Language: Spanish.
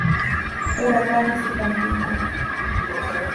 Huracanes de Tampico.